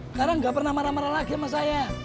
sekarang nggak pernah marah marah lagi sama saya